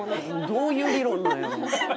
どういう理論なんやろ？